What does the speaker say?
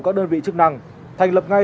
các đơn vị chức năng thành lập ngay